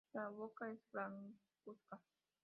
La boca es blancuzca.